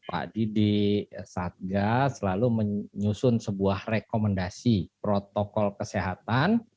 pak didi satga selalu menyusun sebuah rekomendasi protokol kesehatan